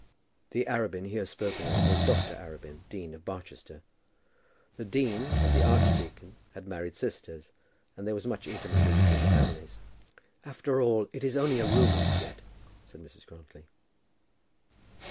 The Arabin here spoken of was Dr. Arabin, dean of Barchester. The dean and the archdeacon had married sisters, and there was much intimacy between the families. "After all it is only a rumour as yet," said Mrs. Grantly.